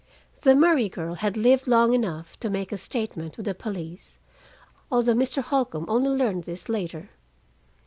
The Murray girl had lived long enough to make a statement to the police, although Mr. Holcombe only learned this later.